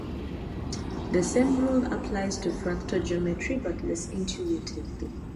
The same rule applies to fractal geometry but less intuitively.